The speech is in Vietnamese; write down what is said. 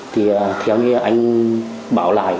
thì theo như anh báo lại